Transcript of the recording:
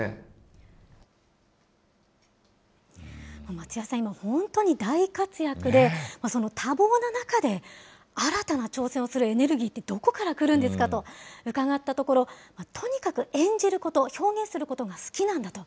松也さん、今本当に大活躍で、その多忙な中で、新たな挑戦をするエネルギーってどこからくるんですかと、伺ったところ、とにかく演じること、表現することが好きなんだと。